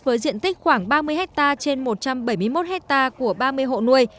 với diện tích khoảng ba mươi hectare trên một trăm bảy mươi một hectare của ba mươi hộ nuôi